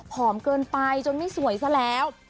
เกินไปจนไม่สวยซะแล้ว